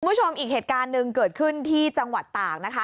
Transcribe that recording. คุณผู้ชมอีกเหตุการณ์หนึ่งเกิดขึ้นที่จังหวัดตากนะคะ